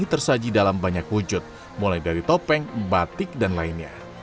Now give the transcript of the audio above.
tersaji dalam banyak wujud mulai dari topeng batik dan lainnya